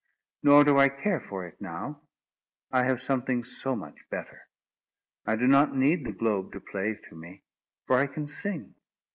Nor do I care for it now. I have something so much better. I do not need the globe to play to me; for I can sing.